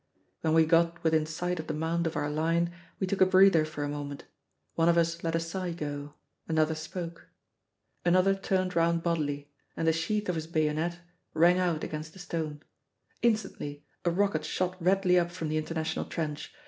When we got within sight of the mound of our line, we took a breather for a moment; one of us let a sigh go, another spoke. Another turned round bodily, and the sheath of his bayonet rang out against a stone. Instantly a rocket shot redly up from the International Trench.